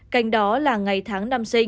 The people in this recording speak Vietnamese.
cành đó là ngày tháng năm sinh